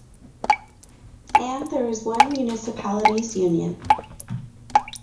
And there is one Municipalities Union.